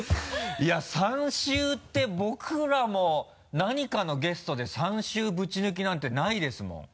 いや３週って僕らも何かのゲストで３週ぶち抜きなんてないですもん。